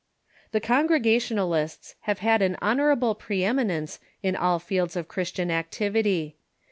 The Congregationalists have had an honorable pre eminence in all fields of Christian activity.